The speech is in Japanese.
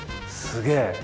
すげえ。